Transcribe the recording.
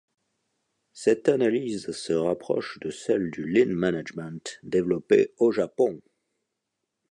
Cette analyse se rapproche de celle du lean management développée au Japon.